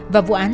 và vụ án